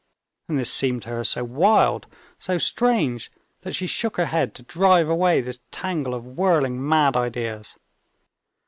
And this seemed to her so wild, so strange, that she shook her head to drive away this tangle of whirling, mad ideas.